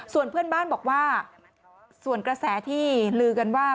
ส่วนเพื่อนบ้านบอกว่าส่วนกระแสที่ลือกันว่า